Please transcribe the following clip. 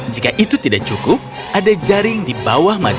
jika itu tidak cukup ada jaring di bawah mata